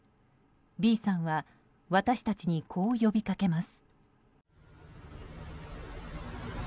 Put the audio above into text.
Ｂさんは、私たちにこう呼びかけます。